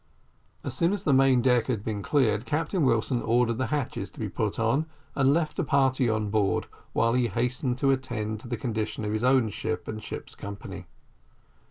As soon as the main deck had been cleared, Captain Wilson ordered the hatches to be put on, and left a party on board while he hastened to attend to the condition of his own ship and ship's company.